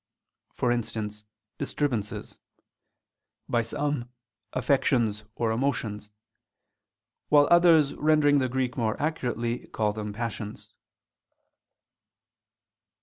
5)] for instance, disturbances; by some, affections or emotions; while others rendering the Greek more accurately, call them passions."